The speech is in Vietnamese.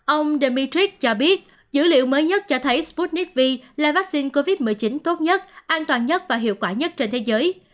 ông dmitrick cho biết dữ liệu mới nhất cho thấy sputnik v là vaccine covid một mươi chín tốt nhất an toàn nhất và hiệu quả nhất trên thế giới